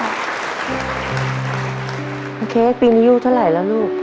น้องเค้กปีนี้อยู่เท่าไหร่แล้วลูก